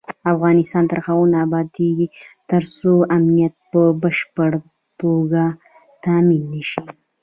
افغانستان تر هغو نه ابادیږي، ترڅو امنیت په بشپړه توګه تامین نشي.